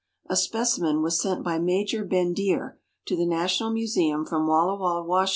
A specimen was sent by Major Bendire to the National Museum from Walla Walla, Wash.